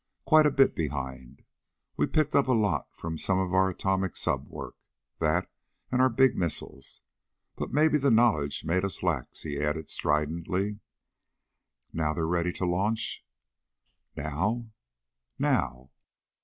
Quite a bit behind. We picked up a lot from some of our atomic sub work that and our big missiles. But maybe the knowledge made us lax." He added stridently: "Now ... they're ready to launch." "Now?" "Now!"